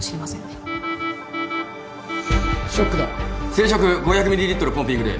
生食５００ミリリットルポンピングで。